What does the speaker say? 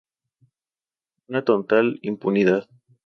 Una total impunidad.